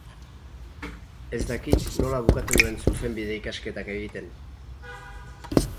Ez dakit nola bukatu nuen Zuzenbide ikasketak egiten.